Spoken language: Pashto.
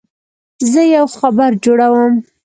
زه یو خبر جوړوم.